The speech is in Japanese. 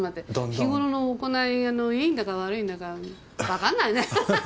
日頃の行いあのいいんだか悪いんだかわかんないねアハハハハ！